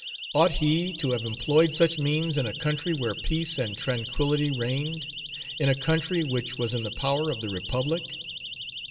Ought he to have employed such means in a country where peace and tranquillity reigned? in a country which was in the power of the Republic?